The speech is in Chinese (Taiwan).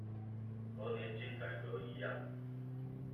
和年金改革一樣